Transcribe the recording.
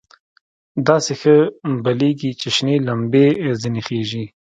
داسې ښه بلېږي چې شنې لمبې ځنې خېژي.